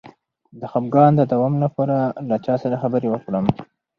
د خپګان د دوام لپاره له چا سره خبرې وکړم؟